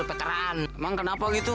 emang kenapa gitu